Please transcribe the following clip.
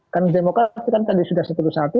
karena demokrasi kan tadi sudah seterus hati